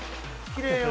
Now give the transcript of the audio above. きれいよ。